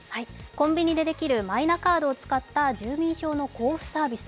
コンビニでできるマイナカードを使った住民票の交付サービス。